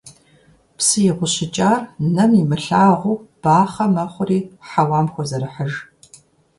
Псы игъущыкӀар нэм имылъагъу бахъэ мэхъури хьэуам хозэрыхьыж.